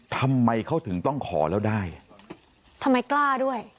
ทำไมเขาถึงต้องขอแล้วได้ทำไมกล้าด้วย